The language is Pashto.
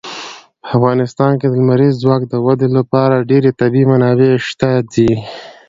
په افغانستان کې د لمریز ځواک د ودې لپاره ډېرې طبیعي منابع شته دي.